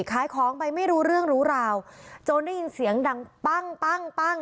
ขายของไปไม่รู้เรื่องรู้ราวจนได้ยินเสียงดังปั้งปั้งปั้ง